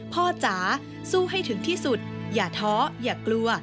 จ๋าสู้ให้ถึงที่สุดอย่าท้ออย่ากลัว